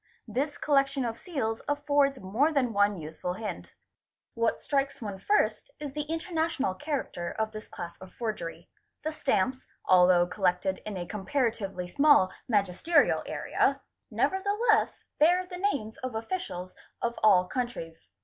This collection of seals affords more than one useful hint. What strikes one first is the international character of this class of forgery; the stamps, 'although collected in a comparatively small magisterial area, never the 'less bear the names of officials of all countries.